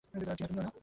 টিনা তুমিও না।